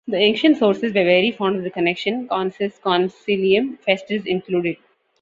The ancient sources were very fond of the connection "Consus-consilium", Festus included.